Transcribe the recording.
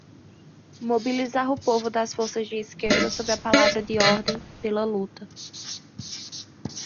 mobilizar o povo das forças de esquerda sob a palavra de ordem pela luta